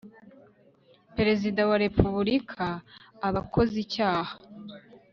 perezida wa repubulika aba akoze icyaha